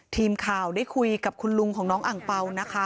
ทีมข่าวได้คุยกับคุณลุงของน้องอังเปล่านะคะ